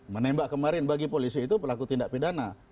menembak kemarin bagi polisi itu pelaku tindak pidana